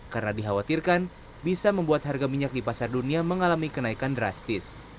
karena dikhawatirkan bisa membuat harga minyak di pasar dunia mengalami kenaikan drastis